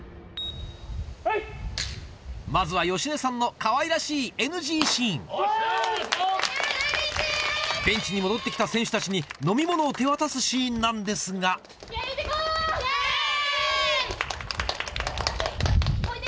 まずは芳根さんのかわいらしいベンチに戻ってきた選手たちに飲み物を手渡すシーンなんですがイェイ！